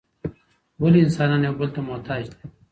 ولي انسانان یو بل ته محتاج دي؟